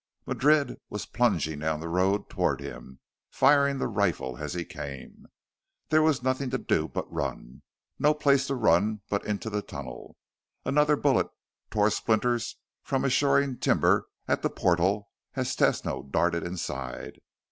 Madrid was plunging down the road toward him, firing the rifle as he came. There was nothing to do but run, no place to run but into the tunnel. Another bullet tore splinters from a shoring timber at the portal as Tesno darted inside.